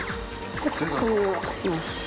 ちょっと仕込みをします。